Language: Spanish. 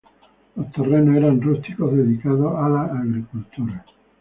Los terrenos eran rústicos dedicados a la agricultura.